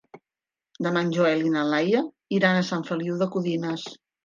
Demà en Joel i na Laia iran a Sant Feliu de Codines.